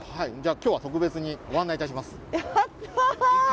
今日は特別にご案内します。